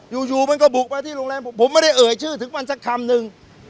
อยู่มันก็บุกมาที่โรงแรมผมไม่ได้เอ่ยชื่อถึงมันสักคำนึง